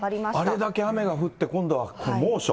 あれだけ雨が降って今度は猛暑。